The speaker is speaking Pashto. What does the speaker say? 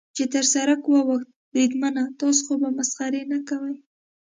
چې تر سړک واوښت، بریدمنه، تاسې خو به مسخرې نه کوئ.